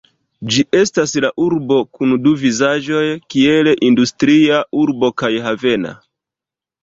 Ĝi estas la urbo kun du vizaĝoj kiel industria urbo kaj havena.